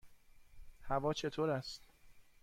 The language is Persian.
هوا چطور است؟